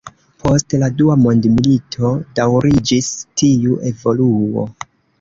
Post la Dua Mondmilito daŭriĝis tiu evoluo.